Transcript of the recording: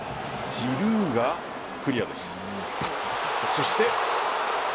ジルーがクリア。